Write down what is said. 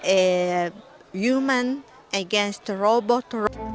eh human against robot